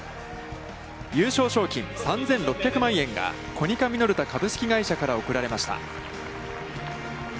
優勝賞金３６００万円がコニカミノルタ株式会社から贈られました。